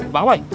bang apa ya